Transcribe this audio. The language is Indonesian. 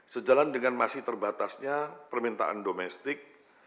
sejalan dengan masih terbatasnya permintaan domestik